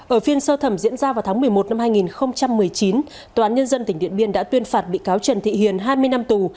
ở phiên sơ thẩm diễn ra vào tháng một mươi một năm hai nghìn một mươi chín tnn tỉnh điện biên đã tuyên phạt bị cáo trần thị hiền hai mươi năm tù